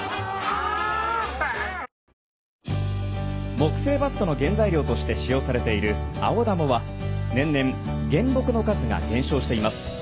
木製バットの原材料として使用されているアオダモは年々、原木の数が減少しています。